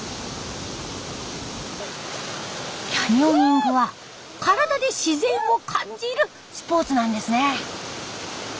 キャニオニングは体で自然を感じるスポーツなんですね。